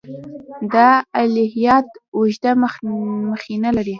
دا الهیات اوږده مخینه لري.